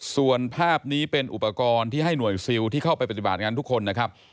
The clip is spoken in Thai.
ส่วนภาพนี้เป็นอุปกรณ์ที่ให้หน่วยซิลที่เข้าไปปฏิบัติงานทุกคนนะครับ